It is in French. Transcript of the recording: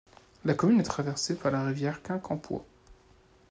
La commune est traversée par la rivière Quincampoix.